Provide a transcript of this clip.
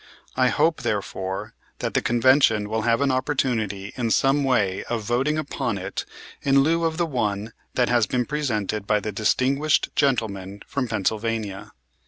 I hope, therefore, that the Convention will have an opportunity in some way of voting upon it in lieu of the one that has been presented by the distinguished gentleman from Pennsylvania.